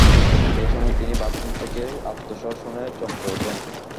এই সময় তিনি বাথরুম থেকে আর্তস্বর শুনে চমকে ওঠেন।